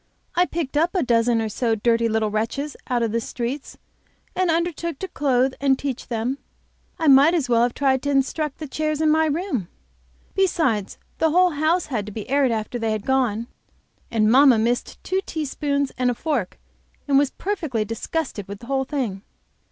I picked up a dozen or so of dirty little wretches out of the streets, and undertook to clothe and teach them. I might as well have tried to instruct the chairs in my room. Besides the whole house had to be aired after they had gone, and mamma missed two teaspoons and a fork and was perfectly disgusted with the whole thing.